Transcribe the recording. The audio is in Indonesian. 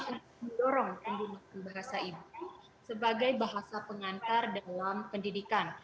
untuk mendorong penggunaan bahasa ibu sebagai bahasa pengantar dalam pendidikan